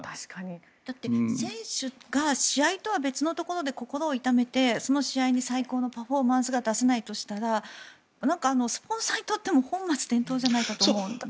だって、選手が試合とは別のところで心を痛めてその試合に最高のパフォーマンスが出せないとしたらスポンサーにとっても本末転倒じゃないかなと思うんですよね。